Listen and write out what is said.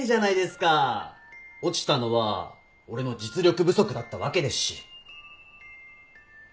落ちたのは俺の実力不足だったわけですし。